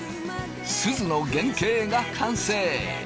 すずの原型が完成。